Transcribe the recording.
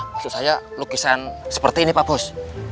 maksud saya lukisan seperti ini pak bos